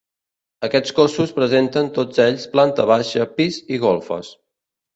Aquests cossos presenten, tots ells, planta baixa, pis i golfes.